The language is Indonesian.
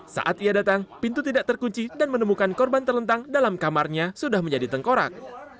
saat ia datang pintu tidak terkunci dan menemukan korban terlentang dalam kamarnya sudah menjadi tengkorak